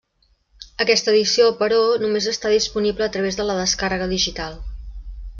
Aquesta edició, però, només està disponible a través de la descàrrega digital.